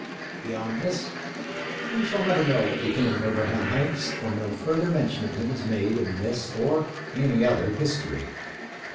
Beyond this we shall never know what became of Abraham Hanks, for no fur ther mention of him is made in this or any other history.